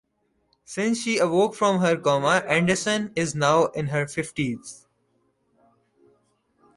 Since she awoke from her coma, Anderson is now in her fifties.